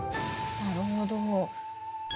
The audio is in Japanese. なるほど。